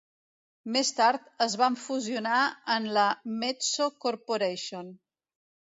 Més tard es van fusionar en la METSO Corporation.